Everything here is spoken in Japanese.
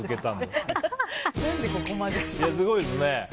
すごいですね。